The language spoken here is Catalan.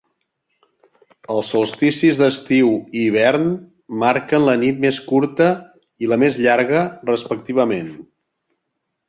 Els solsticis d'estiu i hivern marquen la nit més curta i la més llarga, respectivament.